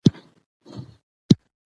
سپي د خره په غږ ټوکې پیل کړې.